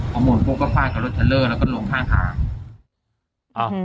ข้อมูลพวกเขาก็ฝ่ายกับรถเทลเลอร์แล้วก็ลงทางทาง